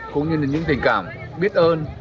cũng như những tình cảm biết ơn